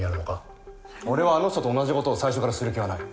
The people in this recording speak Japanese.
俺はあの人と同じ事を最初からする気はない。